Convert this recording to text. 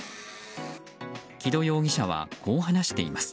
木戸容疑者はこう話しています。